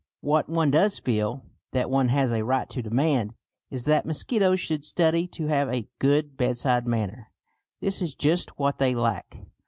What one does feel that one has a right to demand is that mosquitoes should study to have "a good bedside manner." This is just what they lack.